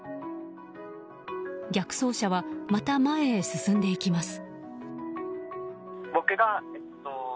逆走車はまた前へ進んでいきます。